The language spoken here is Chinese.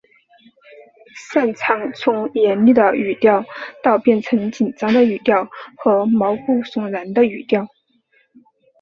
善长从严厉的语调到变成紧张的语调和毛骨悚然的语调。